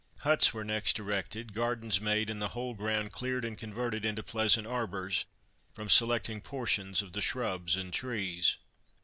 Huts were next erected, gardens made, and the whole ground cleared and converted into pleasant arbours, from selecting portions of the shrubs and trees.